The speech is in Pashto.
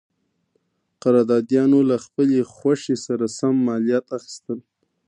قراردادیانو له خپلې خوښې سره سم مالیات اخیستل.